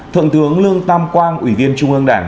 thượng tướng lương tam quang ủy viên trung ương đảng